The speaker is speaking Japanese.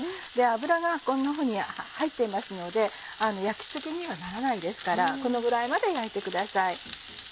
脂がこんなふうに入っていますので焼き過ぎにはならないですからこのぐらいまで焼いてください。